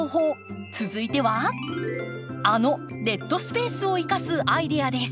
続いてはあのデッドスペースを生かすアイデアです。